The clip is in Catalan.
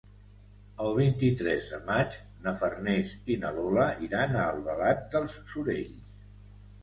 El vint-i-tres de maig na Farners i na Lola iran a Albalat dels Sorells.